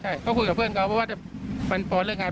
ใช่ครับเขาคุยกับเพื่อนเขาเพราะว่าพอเริ่มงาน